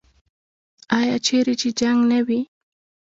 آیا چیرې چې جنګ نه وي؟